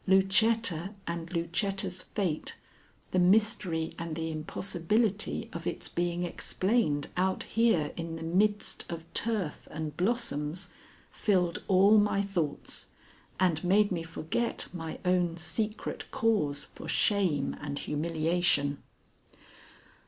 Lucetta and Lucetta's fate, the mystery and the impossibility of its being explained out here in the midst of turf and blossoms, filled all my thoughts, and made me forget my own secret cause for shame and humiliation.